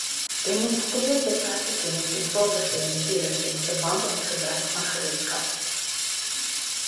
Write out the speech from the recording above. Demonstreer beperkte kennis en vaardighede en toerusting verwant aan die gebruik van gereedskap.